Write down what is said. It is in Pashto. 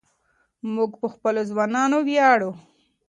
موږ په خپلو ځوانانو ویاړو.